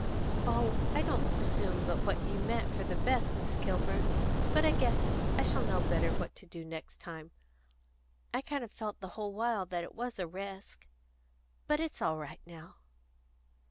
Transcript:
"Oh, I don't presume but what you meant for the best, Miss Kilburn. But I guess I shall know what to do next time. I kind of felt the whole while that it was a resk. But it's all right now."